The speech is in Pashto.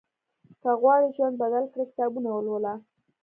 که غواړې ژوند بدل کړې، کتابونه ولوله.